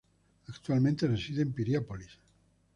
Actualmente reside en Piriápolis.